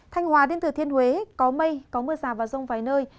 thanh hòa đến thừa thiên huế có mây có mưa rào và rông vài nơi